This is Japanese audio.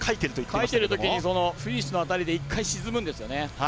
かいてるときにフィニッシュの辺りで１回沈むんですよね。